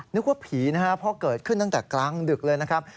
นึกว่าผีนะครับเพราะเกิดขึ้นตั้งแต่กลางดึกเลยนะครับ